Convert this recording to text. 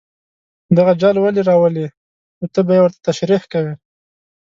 دغه جال ولې راولي نو ته به یې ورته تشریح کوې.